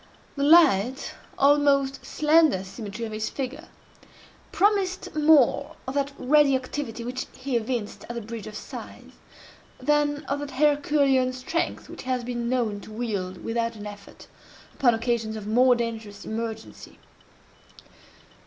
The light, almost slender symmetry of his figure, promised more of that ready activity which he evinced at the Bridge of Sighs, than of that Herculean strength which he has been known to wield without an effort, upon occasions of more dangerous emergency.